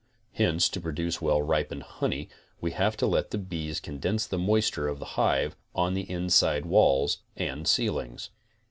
Hence to produce well ripened honey we have to let the bees condense the moisture of the hive on the inside walls and ceilings.